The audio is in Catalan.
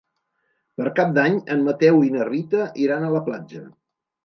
Per Cap d'Any en Mateu i na Rita iran a la platja.